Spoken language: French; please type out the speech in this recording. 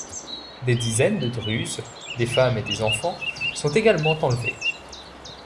Des dizaines de Druzes, des femmes et des enfants, sont également enlevés.